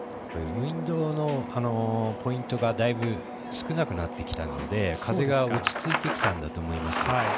ウィンドのポイントがだいぶ、少なくなってきたので風が落ち着いてきたんだと思います。